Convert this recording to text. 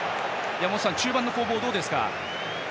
山本さん、中盤の攻防どうですか？